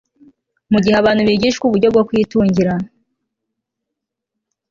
Mu gihe abantu bigishwa uburyo bwo kwitungira